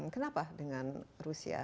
kenapa dengan rusia